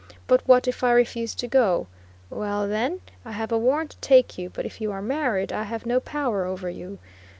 "But what if I refuse to go?" "Well then, I have a warrant to take you; but if you are married, I have no power over you."